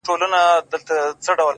زما ځوانمرگ وماته وايي،